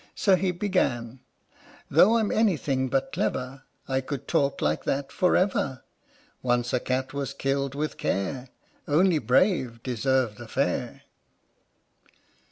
So he began: Though I'm anything but clever, I could talk like that for ever. Once a cat was killed with care: Only brave deserve the fair.